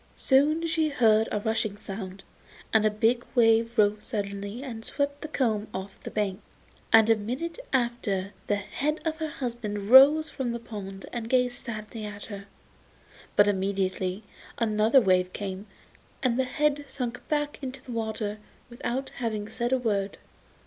Soon she heard a rushing sound, and a big wave rose suddenly and swept the comb off the bank, and a minute after the head of her husband rose from the pond and gazed sadly at her. But immediately another wave came, and the head sank back into the water without having said a word.